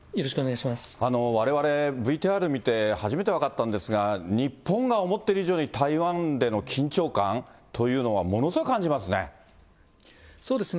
われわれ、ＶＴＲ見て初めて分かったんですが、日本が思っている以上に台湾での緊張感というのは、ものすごい感そうですね、